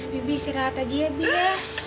bibi istirahat saja ya bik ya